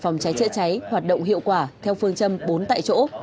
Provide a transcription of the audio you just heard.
phòng cháy chữa cháy hoạt động hiệu quả theo phương châm bốn tại chỗ